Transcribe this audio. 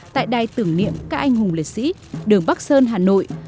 tại đài tưởng niệm các anh hùng liệt sĩ đường bắc sơn hà nội